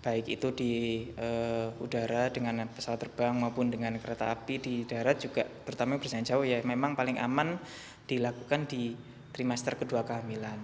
baik itu di udara dengan pesawat terbang maupun dengan kereta api di darat juga terutama berjalan jauh ya memang paling aman dilakukan di trimester kedua kehamilan